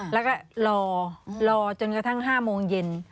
แล้วก็รอรอจนกระทั่ง๕โมงเย็น